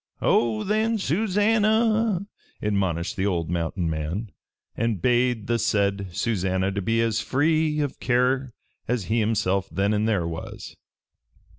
"Oh, then, Susannah!" admonished the old mountain man, and bade the said Susannah to be as free of care as he himself then and there was.